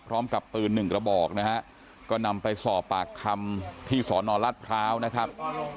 พร้อมกับปืนหนึ่งกระบอกนะฮะก็นำไปสอบปากคำที่สอนอรัฐพร้าวนะครับ